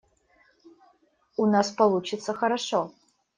У нас получится хорошо.